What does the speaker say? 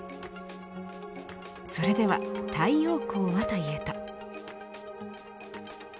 それでは太陽光はというと。